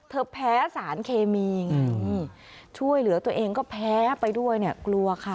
แพ้สารเคมีไงช่วยเหลือตัวเองก็แพ้ไปด้วยเนี่ยกลัวค่ะ